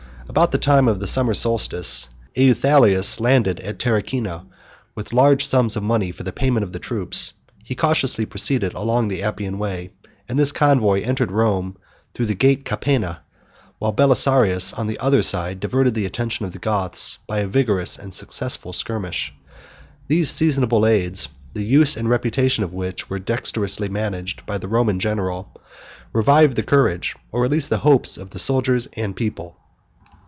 About the time of the summer solstice, Euthalius landed at Terracina with large sums of money for the payment of the troops: he cautiously proceeded along the Appian way, and this convoy entered Rome through the gate Capena, 92 while Belisarius, on the other side, diverted the attention of the Goths by a vigorous and successful skirmish. These seasonable aids, the use and reputation of which were dexterously managed by the Roman general, revived the courage, or at least the hopes, of the soldiers and people.